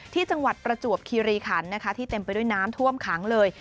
จังหวัดประจวบคีรีคันนะคะที่เต็มไปด้วยน้ำท่วมขังเลย